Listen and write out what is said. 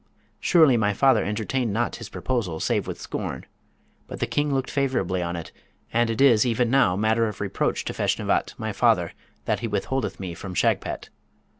Surely my father entertained not his proposal save with scorn; but the King looked favourably on it, and it is even now matter of reproach to Feshnavat, my father, that he withholdeth me from Shagpat.'